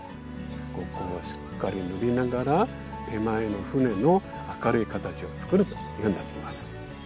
ここはしっかり塗りながら手前の船の明るい形を作るというふうになってきます。